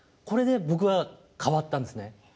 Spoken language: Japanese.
これで僕は変わったんですね。